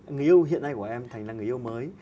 người yêu hiện nay của em thành là người yêu mới